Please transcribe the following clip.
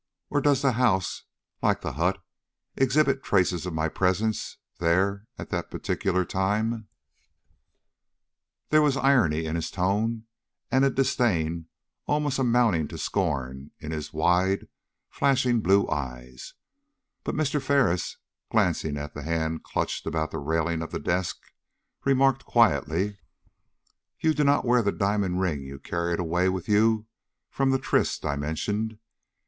or does the house, like the hut, exhibit traces of my presence there at that particular time?" There was irony in his tone, and a disdain almost amounting to scorn in his wide flashing blue eyes; but Mr. Ferris, glancing at the hand clutched about the railing of the desk, remarked quietly: "You do not wear the diamond ring you carried away with you from the tryst I mentioned?